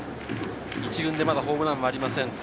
１軍でまだホームランはありません。